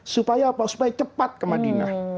supaya cepat ke madinah